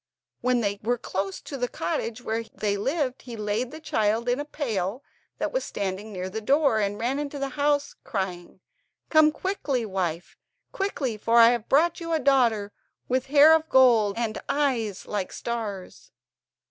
When they were close to the cottage where they lived he laid the child in a pail that was standing near the door, and ran into the house, crying: "Come quickly, wife, quickly, for I have brought you a daughter, with hair of gold and eyes like stars!"